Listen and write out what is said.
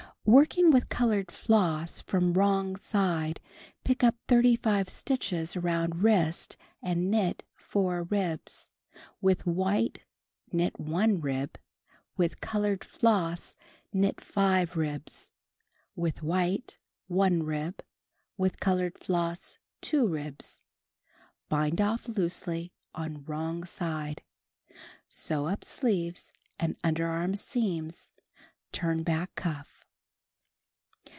Working with colored floss from wrong side pick up 35 stitches around wrist and knit 4 ribs, with wliite Itnit 1 rib, witli colored floss knit 5 ribs, with white 1 rib, with colored floss 2 ribs; bind off loosely on wrong side. Sew up sleeves and underarm seams, turn back cuff.